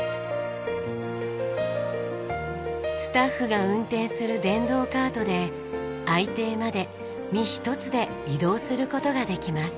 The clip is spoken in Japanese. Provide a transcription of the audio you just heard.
スタッフが運転する電動カートで愛艇まで身ひとつで移動する事ができます。